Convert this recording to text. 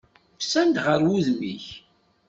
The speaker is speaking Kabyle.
Usan-d ɣer wudem-ik.